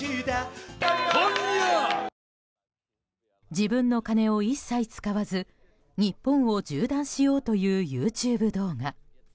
自分の金を一切使わず日本を縦断しようというＹｏｕＴｕｂｅ動画。